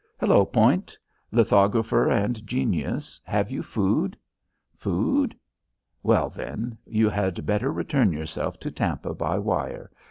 "Hello, Point! lithographer and genius, have you food? Food. Well, then, you had better return yourself to Tampa by wire.